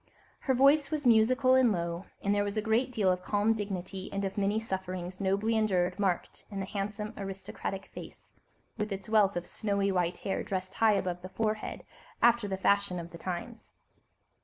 Her voice was musical and low, and there was a great deal of calm dignity and of many sufferings nobly endured marked in the handsome, aristocratic face, with its wealth of snow white hair dressed high above the forehead, after the fashion of the times.